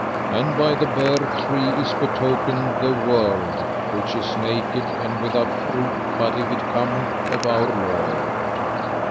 And by the bare tree is betokened the world which is naked and without fruit but if it come of Our Lord.